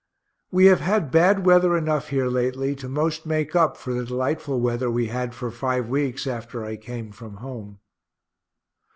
We have had bad weather enough here lately to most make up for the delightful weather we had for five weeks after I came from home.